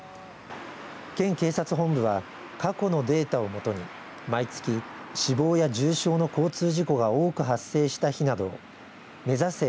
県警察本部は過去のデータをもとに毎月、死亡や重症の交通事故が多く発生した日などめざせ！